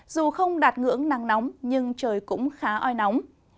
dù không đạt ngưỡng nắng nóng nhưng trời cũng khá oi nóng